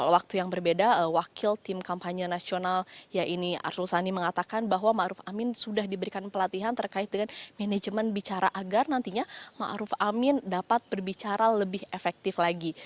waktu yang berbeda wakil tim kampanye nasional ya ini arsul sani mengatakan bahwa ⁇ maruf ⁇ amin sudah diberikan pelatihan terkait dengan manajemen bicara agar nantinya ⁇ maruf ⁇ amin dapat berbicara lebih efektif lagi